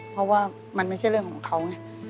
เพราะว่ามันไม่ใช่เรื่องของเขาไง